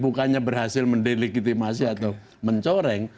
bukannya berhasil mendelegitimasi atau mencoreng